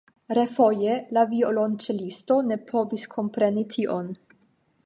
Refoje la violonĉelisto ne povis kompreni tion.